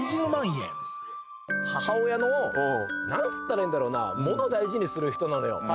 母親の、なんつったらいいんだろうな、物大事にする人なのよ。